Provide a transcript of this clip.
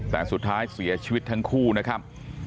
แต่สุดท้ายเสียชีวิตทั้งคู่นะครับ